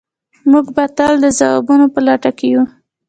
موږ به تل د ځوابونو په لټه کې یو.